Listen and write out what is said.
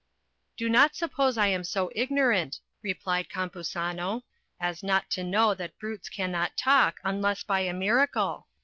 Do not suppose I am so ignorant, replied Campuzano, as not to know that brutes cannot talk unless by a miracle.